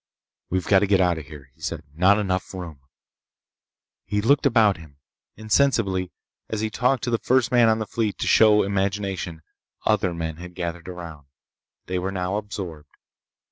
"We've got to get out of here!" he said. "Not enough room!" He looked about him. Insensibly, as he talked to the first man on the fleet to show imagination, other men had gathered around. They were now absorbed.